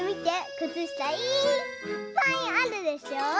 くつしたいっぱいあるでしょ。